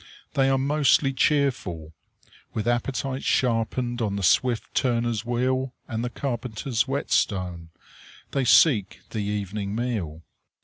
They are mostly cheerful. With appetites sharpened on the swift turner's wheel and the carpenter's whetstone, they seek the evening meal.